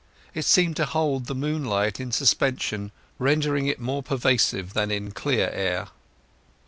It seemed to hold the moonlight in suspension, rendering it more pervasive than in clear air.